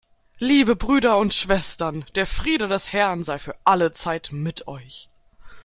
Liebe Brüder und Schwestern, der Friede des Herrn sei für alle Zeit mit euch.